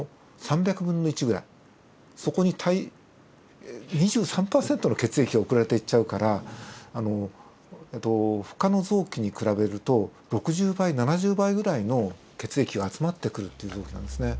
そこに２３％の血液が送られていっちゃうからほかの臓器に比べると６０倍７０倍ぐらいの血液が集まってくるっていう臓器なんですね。